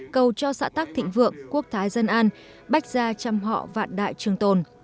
cầu cho xã tác thịnh vượng quốc thái dân an bách gia chăm họ vạn đại trường tồn